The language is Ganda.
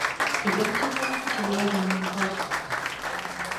Ebyaggyibwako tebyalimu Ebola.